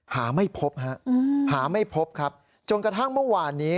หาไม่พบฮะหาไม่พบครับจนกระทั่งเมื่อวานนี้